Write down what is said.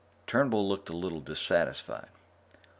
Turnbull looked a little dissatisfied.